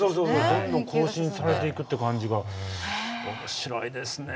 どんどん更新されていくって感じが面白いですね。